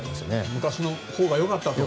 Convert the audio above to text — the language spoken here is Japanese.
昔のほうがよかった。